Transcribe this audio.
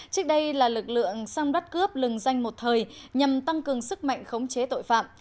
trước đây là lực lượng song đất cướp lừng danh một thời nhằm tăng cường sức mạnh khống chế tội phạm